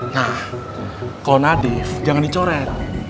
nah kalo nadif jangan dicoret